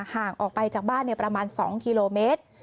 ห่างออกไปจากบ้านเนี่ยประมาณสองกิโลเมตร